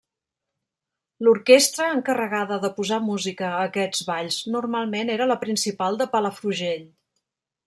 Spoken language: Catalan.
L'orquestra encarregada de posar música a aquests balls normalment era La Principal de Palafrugell.